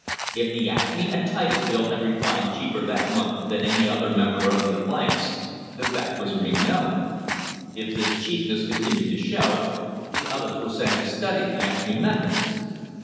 If the Acme at Titusville had refined cheaper that month than any other member of the alliance, the fact was made known. If this cheapness continued to show, the others were sent to study the Acme methods.